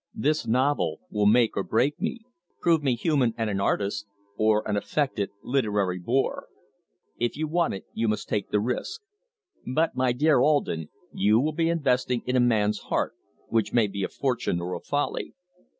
This novel will make me or break me prove me human and an artist, or an affected literary bore. If you want it you must take the risk. But, my dear Alden, you will be investing in a man's heart which may be a fortune or a folly.